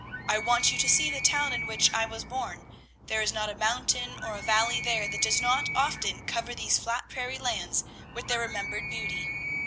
I want you to see the town in which I was born; there is not a mountain or a valley there that does not often cover these flat prairie lands with their remembered beauty.